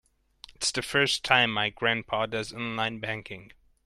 It's the first time my grandpa does online banking.